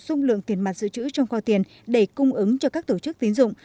dung lượng tiền mặt giữ trữ trong kho tiền để cung ứng cho các tổ chức tiến dụng